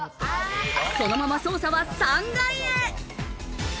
そのまま捜査は３階へ。